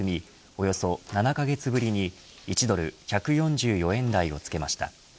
およそ７カ月ぶりに１ドル１４４円台をつけました。